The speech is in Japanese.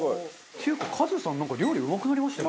っていうかカズさんなんか料理うまくなりましたよね？